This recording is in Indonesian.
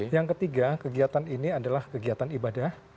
yang ketiga kegiatan ini adalah kegiatan ibadah